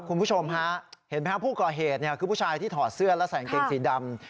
คุณผู้ชมฮะเห็นไหมครับผู้ก่อเหตุคือผู้ชายที่ถอดเสื้อและใส่กางเกงสีดำ